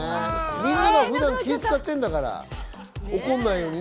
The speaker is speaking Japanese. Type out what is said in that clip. みんな、気使ってるんだから、怒んないように。